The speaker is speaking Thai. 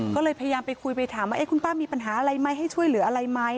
ก็เลยพยายามไปคุยไปถามว่าคุณป้ามีปัญหาอะไรไหมให้ช่วยเหลืออะไรไหม